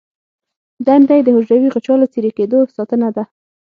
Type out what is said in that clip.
دنده یې د حجروي غشا له څیرې کیدو ساتنه ده.